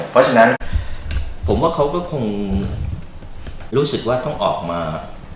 เพราะฉะนั้นผมว่าเขาก็คงรู้สึกว่าต้องออกมา